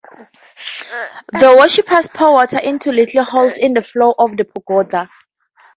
The worshipers pour water into little holes in the floor of the pagoda.